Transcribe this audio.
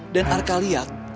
dan arka liat